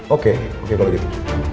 oke oke kalau gitu